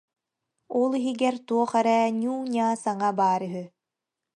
Ол иһигэр туох эрэ ньуу-ньаа саҥа баар үһү